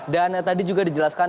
dan tadi juga dijelaskan